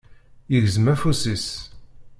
Yegzem afus-is.